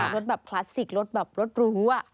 รถแบบคลัสสิครถแบบรถรูอ่ะ